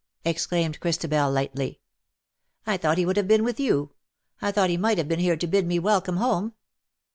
''' ex claimed Christabel, lightly. "I thought he would have been with you. I thought he might have been here to bid me welcome home."